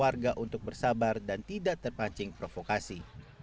warga untuk bersabar dan tidak terpancing provokasi